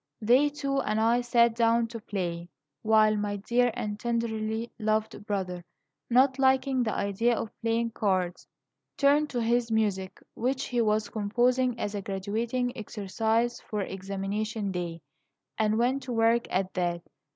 They two and I sat down to play, while my dear and tenderly loved brother, not liking the idea of playing cards, turned to his music, which he was composing as a graduating exercise for examination day, and went to work at that.